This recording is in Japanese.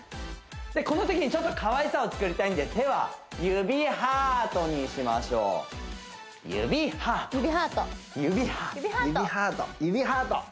このときにちょっとかわいさを作りたいんで手は指ハートにしましょう指ハート指ハート指ハート指ハート指ハート